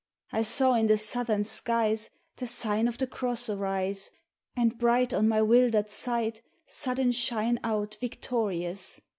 I saw in the southern skies The Sign of the Cross arise, And bright on my 'wildered sight Sudden shine out victorious.